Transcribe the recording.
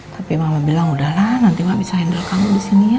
tapi mama bilang udahlah nanti mbak bisa handle kamu di sini ya